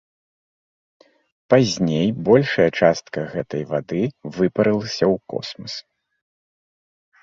Пазней большая частка гэтай вады выпарылася ў космас.